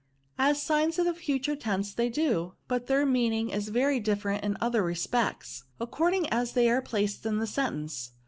" As signs of the future tense they do ; but their meaning is very different in other respects, according as they are placed in the u 2 sentence.